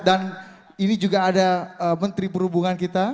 dan ini juga ada menteri perhubungan kita